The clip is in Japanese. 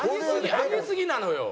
上げすぎなのよ。